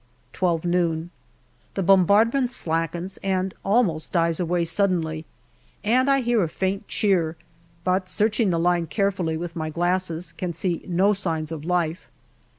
12 noon. The bombardment slackens and almost dies away sud denly, and I hear a faint cheer, but searching the line carefully with my glasses, can see no signs of life.